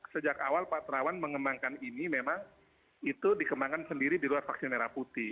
sejak awal pak terawan mengembangkan ini memang itu dikembangkan sendiri di luar vaksin merah putih